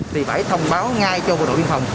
thì phải thông báo ngay cho bộ đội biên phòng